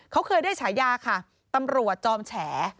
เขาเคยได้ฉายาค่ะตำรวจจอมแฉ